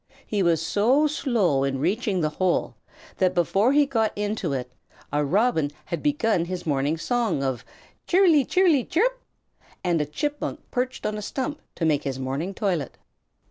He was so slow in reaching the hole that before he got into it a Robin had begun his morning song of "Cheerily, cheerily, cheerup!" and a Chipmunk perched on a stump to make his morning toilet.